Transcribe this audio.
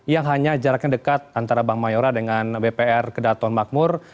yang hanya jaraknya dekat antara bank mayora dengan bpr kedaton makmur